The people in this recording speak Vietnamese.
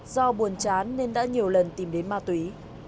do buồn chán nên đã nhiều lần tìm đến ma túy